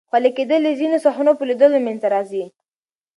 خولې کېدل د ځینو صحنو په لیدلو منځ ته راځي.